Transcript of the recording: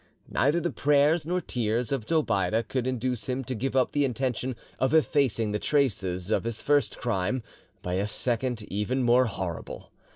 Neither the prayers nor tears of Zobeide could induce him to give up the intention of effacing the traces of his first crime by a second even more horrible.